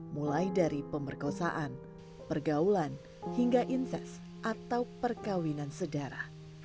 mulai dari pemerkosaan pergaulan hingga inses atau perkawinan sedara